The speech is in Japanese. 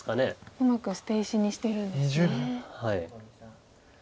うまく捨て石にしているんですね。